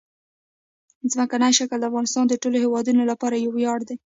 ځمکنی شکل د افغانستان د ټولو هیوادوالو لپاره یو ویاړ دی.